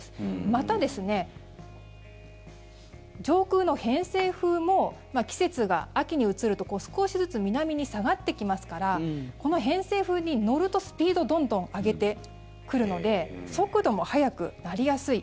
また、上空の偏西風も季節が秋に移ると少しずつ南に下がってきますからこの偏西風に乗るとスピードどんどん上げてくるので速度も速くなりやすい。